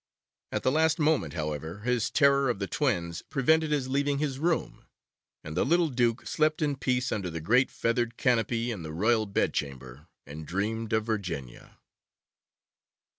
At the last moment, however, his terror of the twins prevented his leaving his room, and the little Duke slept in peace under the great feathered canopy in the Royal Bedchamber, and dreamed of Virginia.